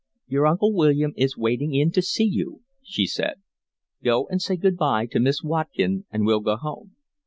"Your Uncle William is waiting in to see you," she said. "Go and say good bye to Miss Watkin, and we'll go home."